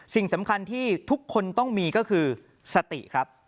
สิ่งสำคัญที่ทุกคนต้องมีก็คือสติครับ